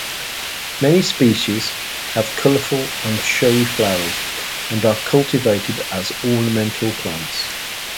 Many species have colorful and showy flowers and are cultivated as ornamental plants.